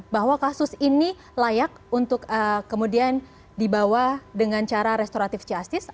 bahwa kasus ini layak untuk kemudian dibawa dengan cara restoratif justice